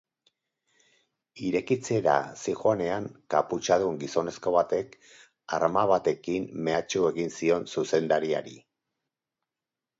Irekitzera zihoazenean, kaputxadun gizonezko batek arma batekin mehatxu egin zion zuzendariari.